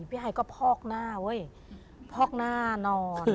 ไฮก็พอกหน้าเว้ยพอกหน้านอน